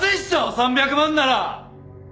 ３００万なら。